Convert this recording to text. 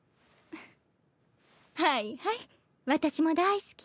はいはい私も大好きよ。